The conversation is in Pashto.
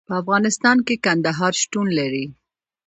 په افغانستان کې کندهار شتون لري.